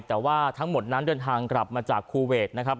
แต่ว่าทั้งหมดนั้นเดินทางกลับมาจากคูเวทนะครับ